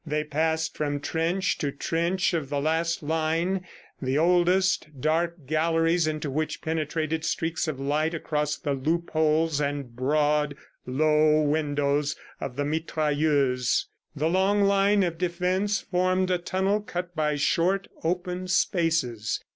They passed from trench to trench of the last line, the oldest dark galleries into which penetrated streaks of light across the loopholes and broad, low windows of the mitrailleuse. The long line of defense formed a tunnel cut by short, open spaces.